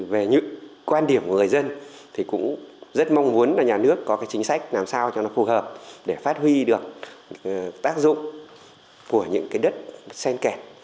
về những quan điểm của người dân thì cũng rất mong muốn là nhà nước có cái chính sách làm sao cho nó phù hợp để phát huy được tác dụng của những cái đất sen kẹt